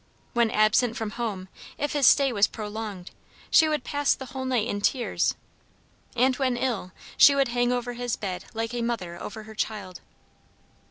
When absent from home, if his stay was prolonged, she would pass the whole night in tears; and when ill, she would hang over his bed like a mother over her child.